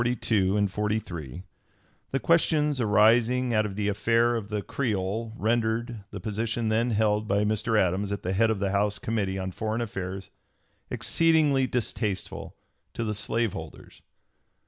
] In the winter of 1842 43 the questions arising out of the affair of the Creole rendered the position then held by Mr. Adams at the head of the House Committee on Foreign Affairs exceedingly distasteful to the slave holders.